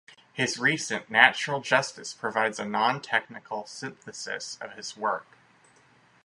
His recent "Natural Justice" provides a nontechnical synthesis of this work.